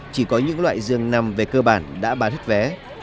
chỉ có những loại dường nằm về cơ bản đã bán hết vé